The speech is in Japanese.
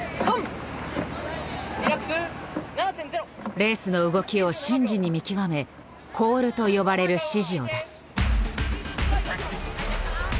レースの動きを瞬時に見極め「コール」と呼ばれる指示を出す。